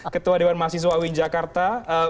ketua dewan mahasiswa uin jakarta